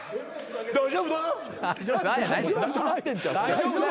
大丈夫だ。